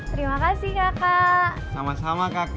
terima kasih kakak sama sama kakek